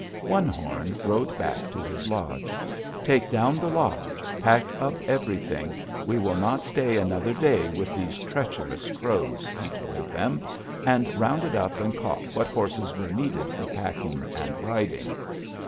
"One Horn rode back to his lodge. 'Take down the lodge, pack up everything. We will not stay another day with these treacherous Crows,' he told them, and rounded up and caught what horses were needed for packing and riding.